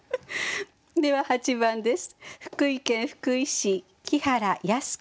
では８番です。